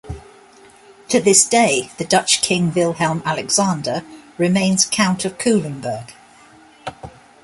To this day, the Dutch king Willem-Alexander remains count of Culemborg.